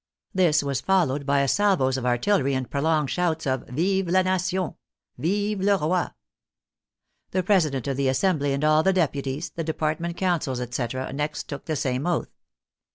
This was followed by salvos of artillery and prolonged shouts of " Vive la nation !"" Vive le roi !" The president of the Assembly, and all the deputies, the department councils, etc., next took the same oath.